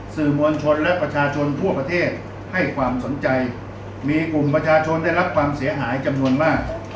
สื่อมวลชนและประชาชนทั่วประเทศให้ความสนใจมีกลุ่มประชาชนได้รับความเสียหายจำนวนมาก